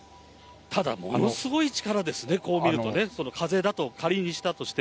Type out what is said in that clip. ただ、ものすごい力ですね、こう見るとね、風だと、仮にしたとしても。